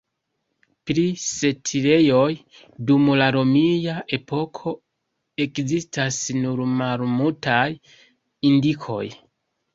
Pri setlejoj dum la romia epoko ekzistas nur malmultaj indikoj.